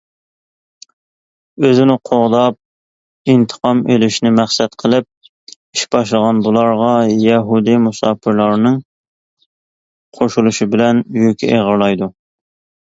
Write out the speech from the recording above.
ئۆزىنى قوغداپ، ئىنتىقام ئېلىشنى مەقسەت قىلىپ ئىش باشلىغان بۇلارغا يەھۇدىي مۇساپىرلارنىڭ قوشۇلۇشى بىلەن يۈكى ئېغىرلايدۇ.